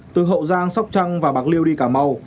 từ hậu giang sóc trăng và bạc liêu đi cà mau